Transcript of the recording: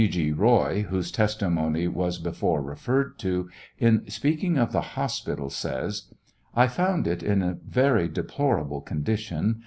G. Roy, whose testimony was before referred to, in speaking of the hospital, says: I found it in a very deplorable condition.